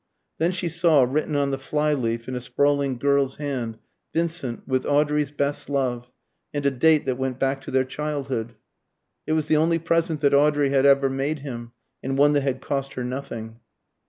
Then she saw written on the fly leaf, in a sprawling girl's hand, "Vincent, with Audrey's best love," and a date that went back to their childhood. It was the only present that Audrey had ever made him, and one that had cost her nothing.